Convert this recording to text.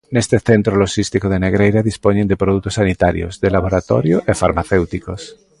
Neste centro loxístico de Negreira dispoñen de produtos sanitarios, de laboratorio e farmacéuticos.